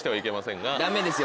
ダメですよ